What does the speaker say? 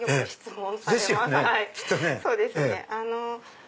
そうです。